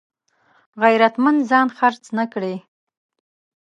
غیرتمند ځان خرڅ نه کړي